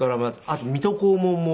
あと『水戸黄門』も。